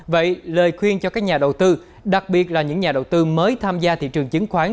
vậy lời khuyên cho các nhà đầu tư đặc biệt là những nhà đầu tư mới tham gia thị trường chứng khoán